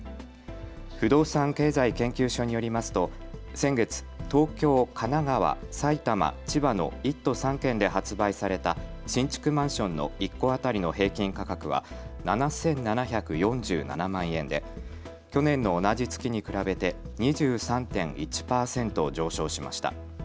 不動産経済研究所によりますと先月、東京、神奈川、埼玉、千葉の１都３県で発売された新築マンションの１戸当たりの平均価格は７７４７万円で去年の同じ月に比べて２３．１％上昇しました。